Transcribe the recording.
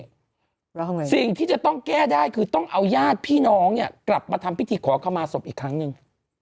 แล้วทำไงสิ่งที่จะต้องแก้ได้คือต้องเอาญาติพี่น้องเนี่ยกลับมาทำพิธีขอขมาศพอีกครั้งหนึ่ง